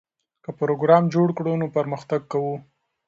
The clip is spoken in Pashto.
که پروګرام جوړ کړو نو پرمختګ کوو.